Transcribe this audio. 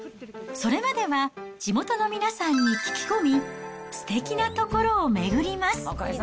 それまでは、地元の皆さんに聞き込み、すてきな所を巡ります。